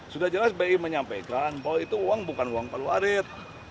sudah jelas bi menyampaikan bahwa itu uang bukan uang palu arit